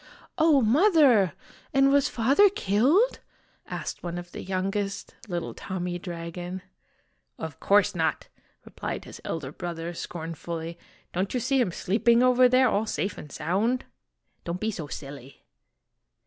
"Oh, Mother ! and was Father killed?" asked one of the youngest little Tommy Dragon. " Of course not !" replied his elder brother, scornfully. " Don't you see him sleeping over there, all safe and sound? Don't be 11 i " so silly